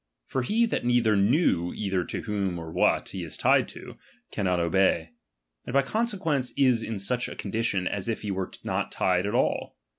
For he that neither knew either to whom or what he is tied to, cannot ohey ; and by consequence is in such a condition as if he were not tied at all.